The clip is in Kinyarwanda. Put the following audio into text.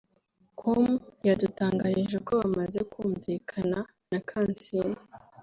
com yadutangarije ko bamaze kumvikana na Kansiime